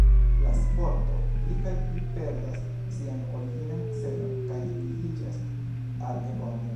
La sporto pli kaj pli perdas sian originan celon kaj ligiĝas al ekonomio.